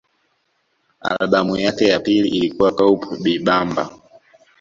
Albamu yake ya pili ilikuwa Coupe Bibamba